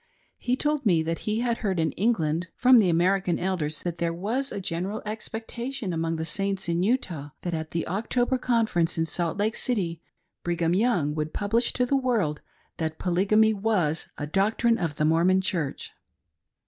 He told me that he had heard' in England from the American Elders that there was a general expectation among the Saints in Utah that at the October Conference in Salt Lake City, Brigham Young' would publish to the world that Polygamy was a doctrine of the Mormon Church.